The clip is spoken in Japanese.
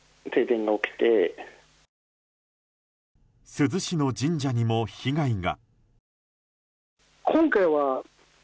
珠洲市の神社にも被害が。